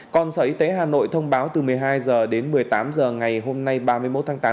còn sở y tế hà nội thông báo từ một mươi hai h đến một mươi tám h ngày hôm nay ba mươi một tháng tám